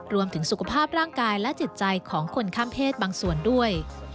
รวมถึงสุขภาพร่างกายและจิตใจของคนข้ามเพศบางส่วนด้วย